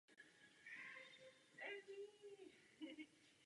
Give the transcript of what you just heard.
Je primárně používán při výuce umění a počítačové grafiky.